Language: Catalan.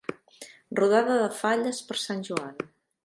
Rodada de falles per Sant Joan.